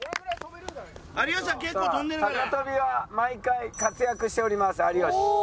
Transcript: さあ高跳びは毎回活躍しております有吉。